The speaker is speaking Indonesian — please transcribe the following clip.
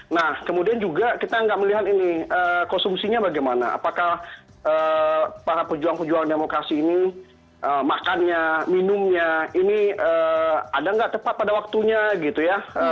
nah kemudian juga kita nggak melihat ini konsumsinya bagaimana apakah para pejuang pejuang demokrasi ini makannya minumnya ini ada nggak tepat pada waktunya gitu ya